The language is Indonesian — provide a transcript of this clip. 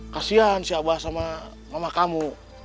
kasian si abah sama mama kamu